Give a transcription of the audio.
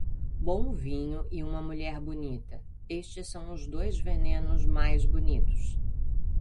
Bom vinho e uma mulher bonita - estes são os dois venenos mais bonitos.